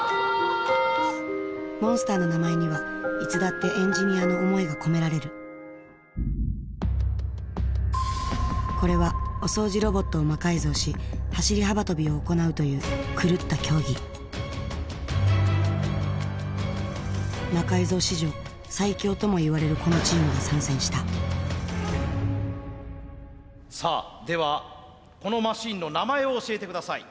モンスターの名前にはいつだってエンジニアの思いが込められるこれはお掃除ロボットを魔改造し走り幅跳びを行うという狂った競技「魔改造」史上最強ともいわれるこのチームが参戦したさあではこのマシンの名前を教えて下さい。